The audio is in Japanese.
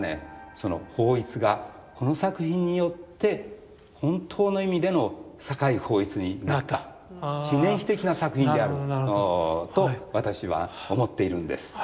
その抱一がこの作品によって本当の意味での酒井抱一になった記念碑的な作品であると私は思っているんです。